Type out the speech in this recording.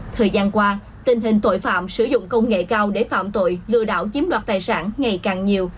thời gian qua tình hình tội phạm sử dụng công nghệ cao để phạm tội lừa đảo chiếm đoạt tài sản ngày càng nhiều